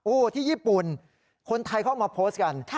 ที่ญี่ปุ่นคนไทยเข้ามาโพสต์กัน